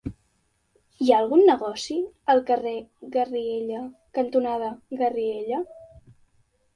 Hi ha algun negoci al carrer Garriguella cantonada Garriguella?